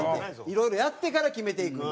いろいろやってから決めていく。